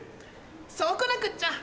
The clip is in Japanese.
そうこなくっちゃ。